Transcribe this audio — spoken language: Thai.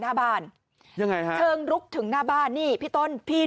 หน้าบ้านยังไงฮะเชิงลุกถึงหน้าบ้านนี่พี่ต้นพี่